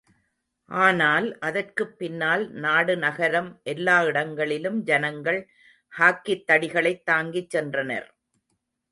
ஆனால் அதற்குப்பின்னால் நாடு, நகரம் எல்லா இடங்களிலும் ஜனங்கள் ஹாக்கித்தடிகளைத் தாங்கிச் சென்றனர்.